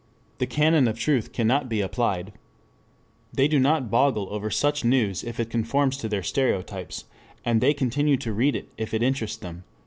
The canon of truth cannot be applied. They do not boggle over such news if it conforms to their stereotypes, and they continue to read it if it interests them.